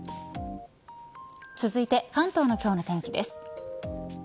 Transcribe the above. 続いて関東の今日の天気です。